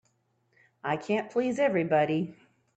I can't please everybody.